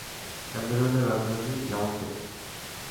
ক্যামেরুনের রাজধানী ইয়াওনডে।